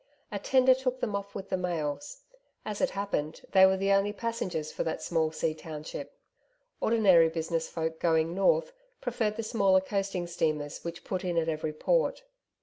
A tender took them off with the mails as it happened, they were the only passengers for that small sea township. Ordinary business folk going north, preferred the smaller coasting steamers which put in at every port.